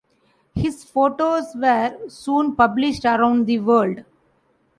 His photos were soon published around the world.